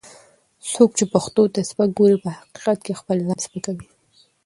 څوک چې پښتو ته سپک ګوري، په حقیقت کې خپل ځان سپکوي